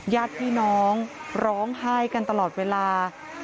ญาติพี่น้องร้องไห้กันตลอดเวลา